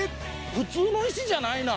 普通の石じゃないな。